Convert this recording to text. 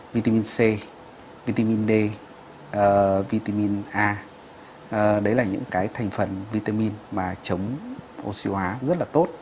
vitamin c vitamin d vitamin a đấy là những cái thành phần vitamin mà chống oxy hóa rất là tốt